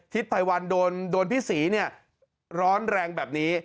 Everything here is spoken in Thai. ภัยวันโดนพี่ศรีเนี่ยร้อนแรงแบบนี้